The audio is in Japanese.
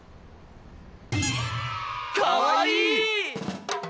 かわいい！